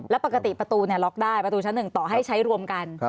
แล้วปกติประตูล็อกได้ประตูชั้น๑ต่อให้ใช้รวมกัน